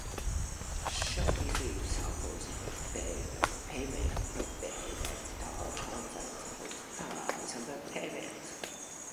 Shopify supports various payment providers, such as PayPal, Stripe, and Shopify Payments.